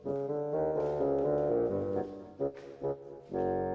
aduh gak denger